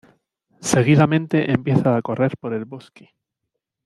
Seguidamente empieza a correr por el bosque.